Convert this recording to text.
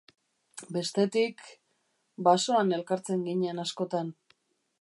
Bestetik... basoan elkartzen ginen askotan.